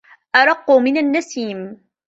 أرق من النسيم